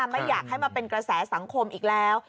ไม่อยากให้มาเป็นกระแสสังคมอีกแล้ว